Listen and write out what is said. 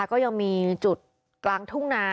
ก็ยังมีฝั่งทุ่งนา